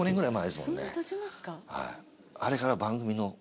はい。